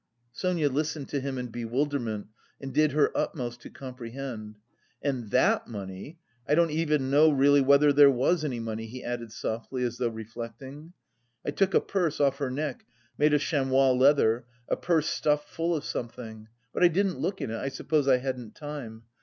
Sonia listened to him in bewilderment and did her utmost to comprehend. "And that money.... I don't even know really whether there was any money," he added softly, as though reflecting. "I took a purse off her neck, made of chamois leather... a purse stuffed full of something... but I didn't look in it; I suppose I hadn't time....